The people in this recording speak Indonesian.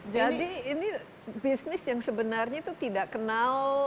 jadi ini bisnis yang sebenarnya itu tidak kenal